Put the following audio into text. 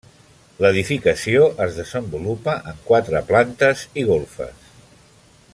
L'edificació es desenvolupa en quatre plantes i golfes.